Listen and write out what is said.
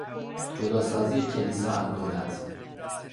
جدا سازی کلیسا از دولت